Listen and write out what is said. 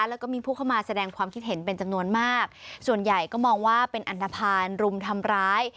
แล้วก็มีผู้เข้ามาแสดงความคิดเห็นเป็นจำนวนมากส่วนใหญ่ก็มองว่าเป็นอันตภัณฑ์รุมทำร้าย